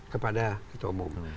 kepada ketua umum